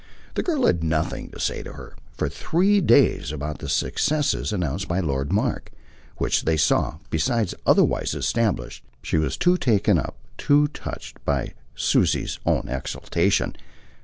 The girl had had nothing to say to her, for three days, about the "success" announced by Lord Mark which they saw, besides, otherwise established; she was too taken up, too touched, by Susie's own exaltation.